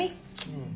うん。